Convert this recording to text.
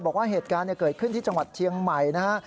บอกว่าเหตุการณ์เกิดขึ้นที่จังหวัดเชียงใหม่นะฮะ